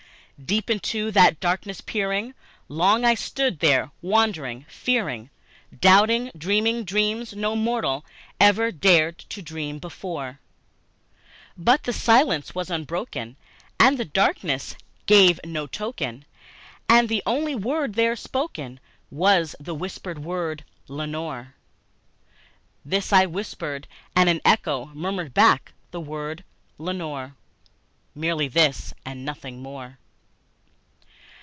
Deep into that darkness peering, long I stood there, wondering, fearing, Doubting, dreaming dreams no mortal ever dared to dream before; But the silence was unbroken, and the stillness gave no token, And the only word there spoken was the whispered word, "Lenore!" This I whispered, and an echo murmured back the word, "Lenore!" Merely this, and nothing more.